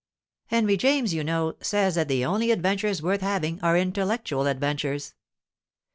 'Henry James, you know, says that the only adventures worth having are intellectual adventures.